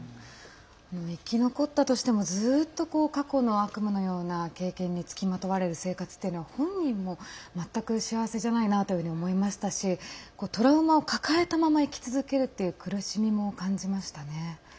生き残ったとしてもずっと過去の悪夢のような経験に付きまとわれる生活というのは本人も全く幸せじゃないなというふうに思いましたしトラウマを抱えたまま生き続けるという苦しみも感じましたね。